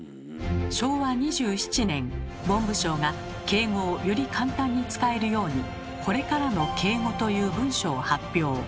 昭和２７年文部省が敬語をより簡単に使えるように「これからの敬語」という文書を発表。